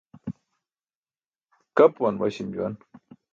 Kapuwan waśi̇m juwan.